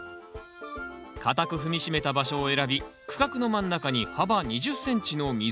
固く踏み締めた場所を選び区画の真ん中に幅２０ｃｍの溝を掘ります。